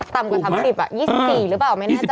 ต่ำกว่า๓๐๒๔หรือเปล่าไม่แน่ใจ